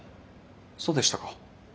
そうでしたか。